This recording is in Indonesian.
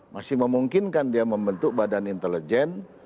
masih memungkinkan dia membentuk badan intelijen